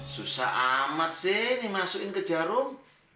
susah amat sih ini masukin ke jarum